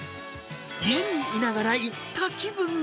家にいながら行った気分に。